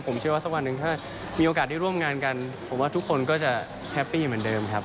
ผมเชื่อว่าสักวันหนึ่งถ้ามีโอกาสได้ร่วมงานกันผมว่าทุกคนก็จะแฮปปี้เหมือนเดิมครับ